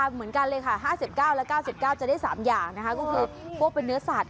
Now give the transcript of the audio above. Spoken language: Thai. เหมือนกันแต่มันต่างกันตรงวิธี